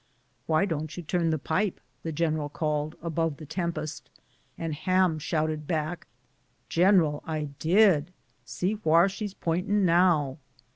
"Why don't you turn the pipe ?" the general called, above the tempest; and Ham shouted back, "Giniril, I did; see whar she's p'intin' now?"